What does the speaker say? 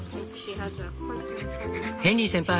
「ヘンリー先輩。